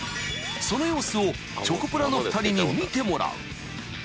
［その様子をチョコプラの２人に見てもらう］